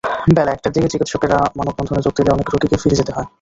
বেলা একটার দিকে চিকিৎসকেরা মানববন্ধনে যোগ দিলে অনেক রোগীকে ফিরে যেতে হয়।